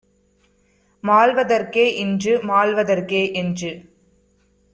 மாள்வதற்கே இன்று மாள்வதற்கே!" என்று